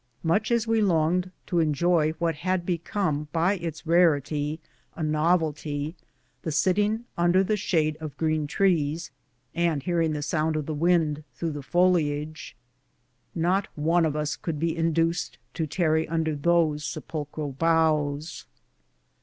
Much as we longed to enjoy what had become by its rarity a novelty, the sitting under the shade of green trees, and hearing the sound of the IMPROVEMENTS AT THE POST, AND GARDENING. 169 wind through the foliage, not one of us could be in duced to tarry under those sepulchral boughs.